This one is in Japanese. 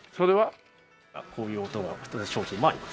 こういう音の商品もあります。